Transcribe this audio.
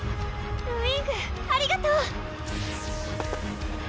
ウィングありがとう！